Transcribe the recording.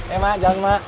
eh mak jalan mak